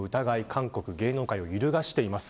韓国芸能界を揺るがしています。